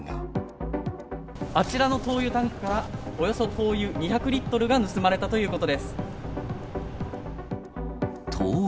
あちらの灯油タンクから、およそ灯油２００リットルが盗まれたということです。